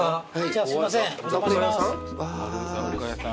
すいませんお邪魔します。